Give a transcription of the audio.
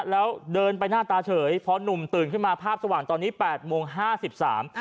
แล้วเดินไปหน้าตาเฉยพอหนุ่มตื่นขึ้นมาภาพสว่างตอนนี้แปดโมงห้าสิบสาม